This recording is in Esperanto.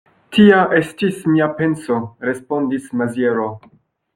Tia estis mia penso, respondis Maziero.